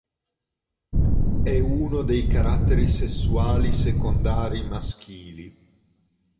È uno dei caratteri sessuali secondari maschili.